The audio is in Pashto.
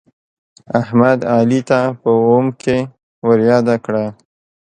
احمد، علي ته په اوم کې ورياده کړه.